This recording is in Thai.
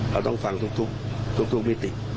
เราต้องฟังทุกมิติ